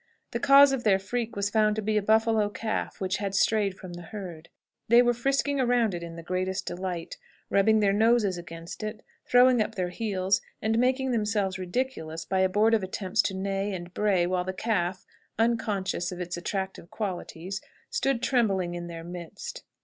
The cause of their freak was found to be a buffalo calf which had strayed from the herd. They were frisking around it in the greatest delight, rubbing their noses against it, throwing up their heels, and making themselves ridiculous by abortive attempts to neigh and bray, while the calf, unconscious of its attractive qualities, stood trembling in their midst."